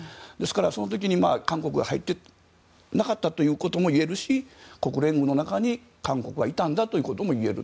その時に韓国が入っていなかったということもいえるし国連軍の中に韓国がいたともいえる。